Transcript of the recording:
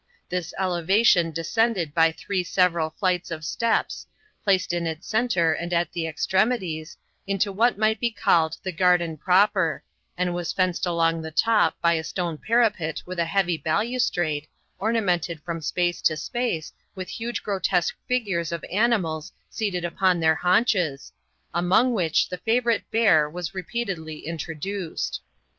This elevation descended by three several flights of steps, placed in its centre and at the extremities, into what might be called the garden proper, and was fenced along the top by a stone parapet with a heavy balustrade, ornamented from space to space with huge grotesque figures of animals seated upon their haunches, among which the favourite bear was repeatedly introduced.